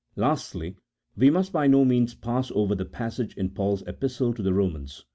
Lastly, we must by no means pass over the passage in Paul's Epistle to the Romans, i.